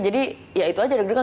jadi ya itu aja denger denger